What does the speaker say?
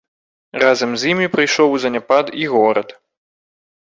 Разам з імі прыйшоў у заняпад і горад.